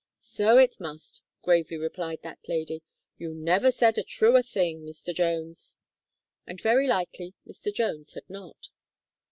"So it must," gravely replied that lady. "You never said a truer thing, Mr. Jones." And very likely Mr. Jones had not.